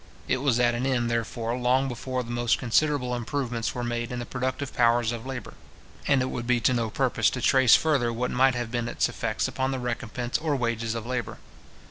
It was at an end, therefore, long before the most considerable improvements were made in the productive powers of labour; and it would be to no purpose to trace further what might have been its effects upon the recompence or wages of labour.